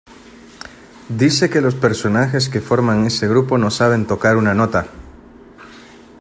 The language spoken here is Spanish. dice que los personajes que forman ese grupo no saben tocar una nota